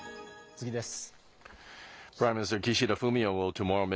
次です。